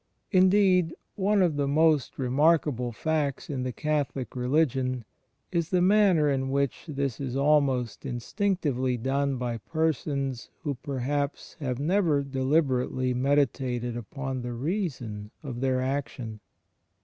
In deed, one of the most remarkable facts in the Catholic CHRIST IN THE EXTESIOB 6l Religion is the manner in which this is ahnost instinc tively done by persons who perhaps have never deliberately meditated upon the reason of their action.